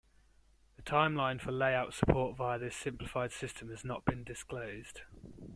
The timeline for Layout support via this simplified system has not been disclosed.